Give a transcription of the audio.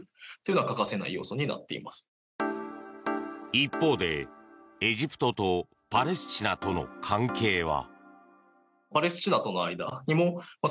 一方で、エジプトとパレスチナとの関係は。